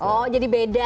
oh jadi beda